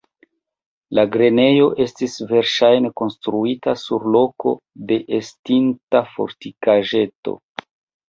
La grenejo estis verŝajne konstruita sur loko de estinta fortikaĵeto.